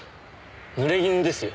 濡れ衣ですよ。